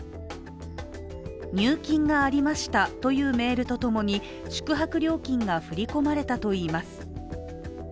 入金がありましたというメールとともに宿泊料金が振り込まれたということです。